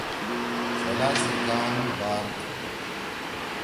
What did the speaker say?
شلا سی گان بار تُھو۔۔